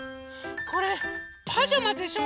これパジャマでしょ！